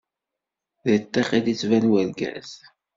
Di ṭṭiq i d-ittban wergaz.